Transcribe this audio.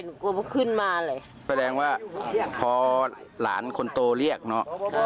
หนูก็ขึ้นมาเลยแปลงว่าพอหลานคนโตเลี่ยกเนอะ